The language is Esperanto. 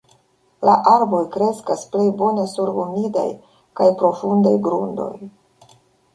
La arboj kreskas plej bone sur humidaj kaj profundaj grundoj.